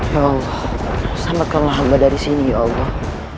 ya allah selamatkanlah hamba dari sini ya allah